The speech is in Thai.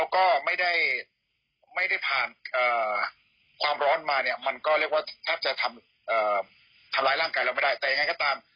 ก็ไม่แนะนำให้ใครทำตามเด็ดทาง